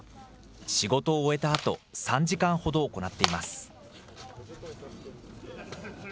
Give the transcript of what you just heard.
仕事を終えたあと、３時間ほど行っています。